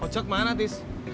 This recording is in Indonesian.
ojak mana tis